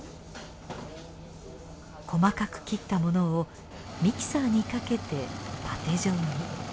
細かく切ったものをミキサーにかけてパテ状に。